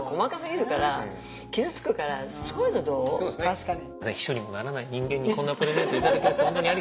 確かに。